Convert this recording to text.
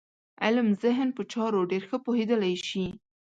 علم ذهن په چارو ډېر ښه پوهېدلی شي.